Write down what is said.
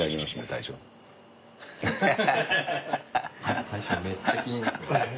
大将めっちゃ気になってる。